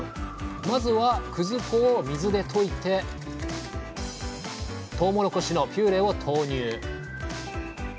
まずはくず粉を水で溶いてとうもろこしのピューレを投入。